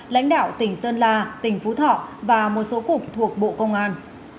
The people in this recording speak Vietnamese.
lãnh đạo tỉnh sơn la tỉnh phú thọ và một số cục thuộc bộ công an